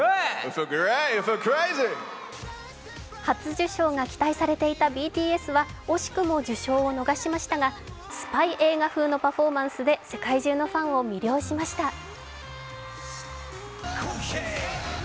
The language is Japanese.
初受賞が期待されていたＢＴＳは惜しくも受賞を逃しましたがスパイ映画風のパフォーマンスで世界中のファンを魅了しました。